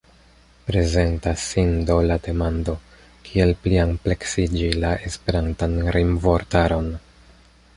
Prezentas sin do la demando, kiel pliampleksiĝi la Esperantan rimvortaron.